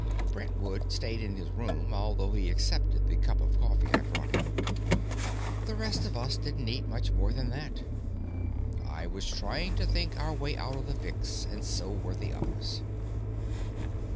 Brentwood stayed in his room, though he accepted the cup of coffee I brought him. The rest of us didn't eat much more than that. I was trying to think our way out of the fix, and so were the others.